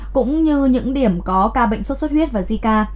cũng như những điểm có ca bệnh sốt xuất huyết và zika